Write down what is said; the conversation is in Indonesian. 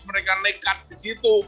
mereka nekat di situ